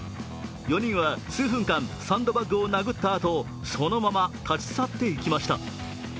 ４人は数分間サンドバッグを殴ったあと、そのまま立ち去っていきました。